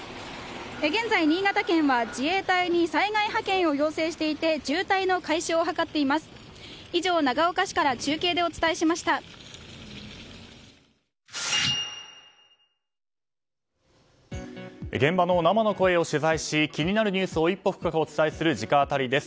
現在、新潟県は自衛隊に災害派遣を要請していて渋滞の解消を図っています。